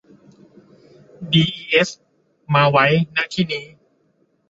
ดีอีเอส มาไว้ ณ ที่นี้